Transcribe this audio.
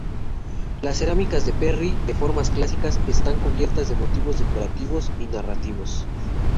Las cerámicas de Perry, de formas clásicas, están cubiertas de motivos decorativos y narrativos.